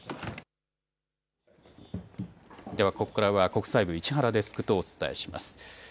ではここからは国際部、市原デスクとお伝えします。